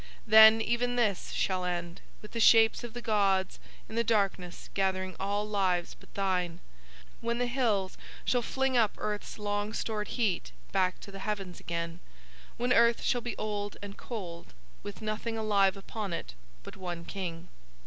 Then even this shall end with the shapes of the gods in the darkness gathering all lives but thine, when the hills shall fling up earth's long stored heat back to the heavens again, when earth shall be old and cold, with nothing alive upon it but one King."